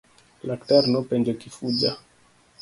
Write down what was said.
Laktar nopenjo Kifuja.